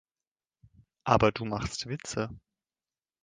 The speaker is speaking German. Aber du machst Witze.